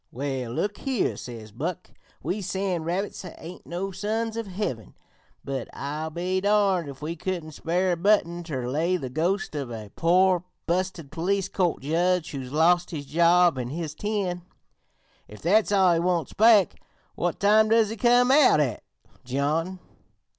"'Well, look here,' says Buck, 'we sand rabbits ain't no sons of Heaven, but I'll be darned if we couldn't spare a button ter lay the ghost of a pore busted police court judge, who's lost his job an' his tin, if that's all he wants back. What time does he come out at, John?